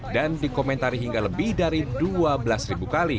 dan dikomentari hingga lebih dari dua belas ribu kali